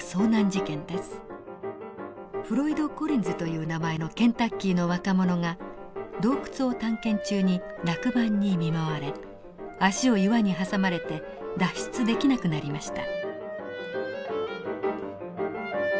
フロイド・コリンズという名前のケンタッキーの若者が洞窟を探検中に落盤に見舞われ足を岩に挟まれて脱出できなくなりました。